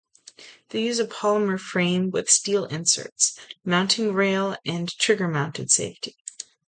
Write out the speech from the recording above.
They use a polymer frame with steel inserts, mounting rail and trigger-mounted safety.